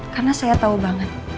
karena saya tau banget